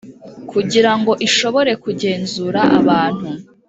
Kugira ngo ishobore kugenzura abantu